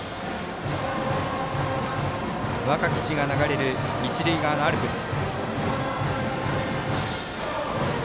「若き血」が流れる一塁側のアルプス。